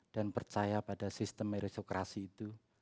dan percaya pada sistem erosikrasi itu